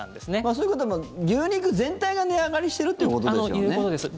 そういうことでは牛肉全体が値上がりしてるってことですよね。